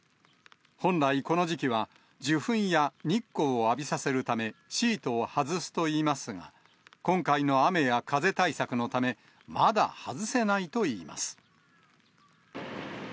本来、この時期は受粉や日光を浴びさせるため、シートを外すといいますが、今回の雨や風対策のため、まだ外せないといいます。